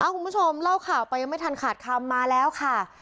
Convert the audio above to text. คุณผู้ชมเล่าข่าวไปยังไม่ทันขาดคำมาแล้วค่ะ